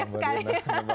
banyak sekali ya pak